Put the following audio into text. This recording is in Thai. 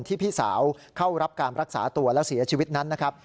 พี่สาวเข้ารับการรักษาตัวแล้วเสียชีวิตนั้นนะครับ